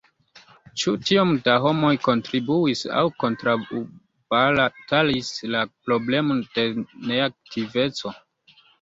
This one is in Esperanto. Ĉu tiom da homoj kontribuis aŭ kontraŭbatalis la problemon de neaktiveco?